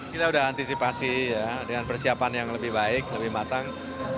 kita sudah antisipasi dengan persiapan yang lebih baik lebih matang